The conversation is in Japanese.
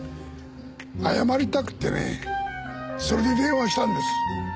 謝りたくてねそれで電話したんです。